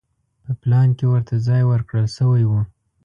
په پلان کې ورته ځای ورکړل شوی و.